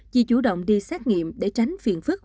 vì chủ động đi xét nghiệm để tránh phiền phức